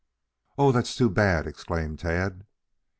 "Oh, that's too bad!" exclaimed Tad.